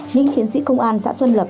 những chiến sĩ công an xã xuân lập